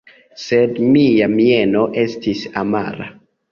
Sed mia mieno estis amara.